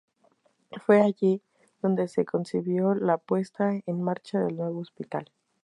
Fue allí donde se concibió la puesta en marcha del nuevo Hospital.